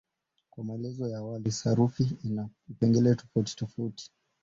Kama maelezo ya awali, sarufi ina vipengele tofautitofauti.